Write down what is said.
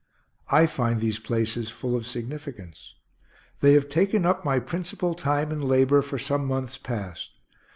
I find these places full of significance. They have taken up my principal time and labor for some months past.